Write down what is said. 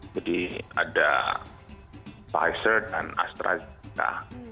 jadi ada pfizer dan astrazeneca